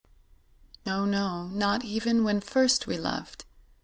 OH, NO NOT EVEN WHEN FIRST WE LOVED.